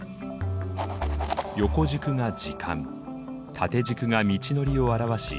横軸が時間縦軸が道のりを表し